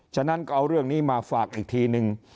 ฉะนั้นก็เอาเรื่องนี้มาฝากอีกทีนึง